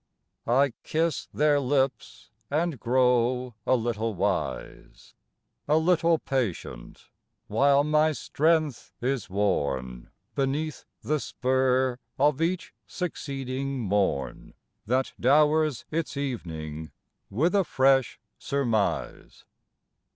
I kiss their lips and grow a little wise, A little patient, while my strength is worn Beneath the spur of each succeeding morn That dowers its evening with a fresh surmise.